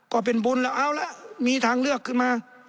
ก็เป็นบุญแล้วเอาละมีทางเลือกขึ้นมา